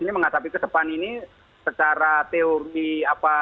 ini mengatapi ke depan ini secara teori apa skenario plan